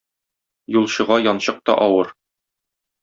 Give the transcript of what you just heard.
Юлчыга янчык та авыр.